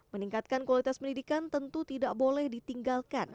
meningkatkan kualitas pendidikan tentu tidak boleh ditinggalkan